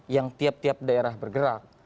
yang tiap tiap daerah bergerak